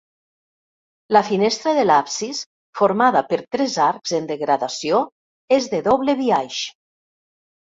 La finestra de l'absis, formada per tres arcs en degradació, és de doble biaix.